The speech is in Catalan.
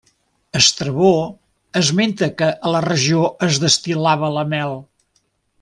Estrabó esmenta que a la regió es destil·lava la mel.